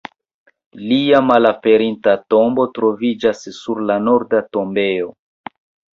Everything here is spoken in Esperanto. Lia malaperinta tombo troviĝis sur la Norda tombejo.